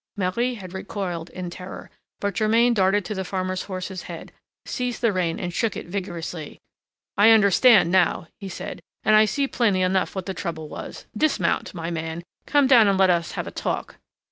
Marie had recoiled in terror; but Germain darted to the farmer's horse's head, seized the rein, and shook it vigorously: "I understand now!" he said, "and I see plainly enough what the trouble was. Dismount! my man! come down and let us have a talk!"